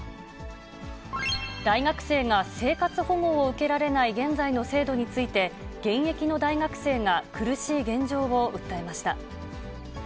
大学生が生活保護を受けられない現在の制度について、現役の大学生が苦しい現状を訴えました。